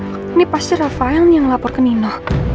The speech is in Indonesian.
ini pasti rafael yang lapor ke nino